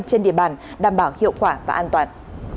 trên địa bàn đảm bảo hiệu quả và an toàn